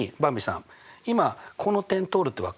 今この点通るって分かったから。